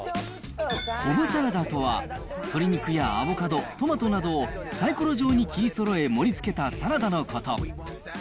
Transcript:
コブサラダとは、鶏肉やアボカド、トマトなどをさいころ状に切りそろえ、盛りつけたサラダのこと。